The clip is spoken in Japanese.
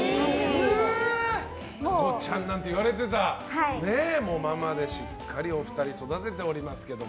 加護ちゃんなんて言われてたのに、もうママでお二人育てておりますけど。